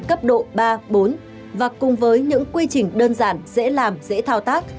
cấp độ ba bốn và cùng với những quy trình đơn giản dễ làm dễ thao tác